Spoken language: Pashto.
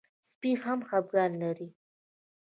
سپي هم خپګان لري.